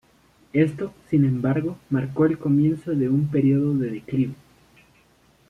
Esto, sin embargo, marcó el comienzo de un período de declive.